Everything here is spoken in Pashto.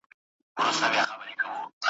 د ژبپوهني او کتاب پوهني تاريخ